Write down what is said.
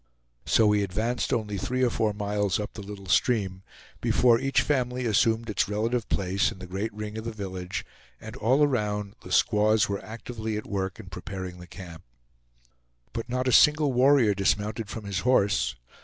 So we advanced only three or four miles up the little stream, before each family assumed its relative place in the great ring of the village, and all around the squaws were actively at work in preparing the camp. But not a single warrior dismounted from his horse.